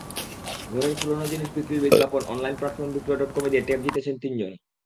ঘরের পুরোনো জিনিস বিক্রির বিজ্ঞাপন অনলাইন প্ল্যাটফর্ম বিক্রয় ডটকমে দিয়ে ট্যাব জিতেছেন তিনজন।